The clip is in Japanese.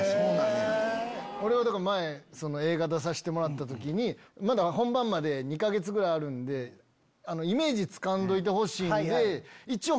俺はだから前映画出さしてもらった時に「まだ本番まで２か月ぐらいあるんでイメージつかんどいてほしいんで一応本読み。